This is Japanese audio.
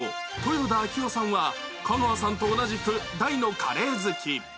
実はトヨタ社長、豊田章男さんは香川さんと同じく大のカレー好き。